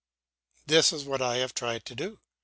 This is what I have tried to do.